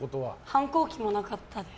反抗期もなかったです。